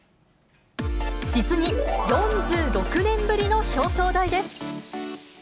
実に４６年ぶりの表彰台です。